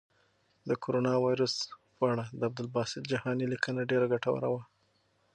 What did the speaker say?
د کرونا وېروس په اړه د عبدالباسط جهاني لیکنه ډېره ګټوره وه.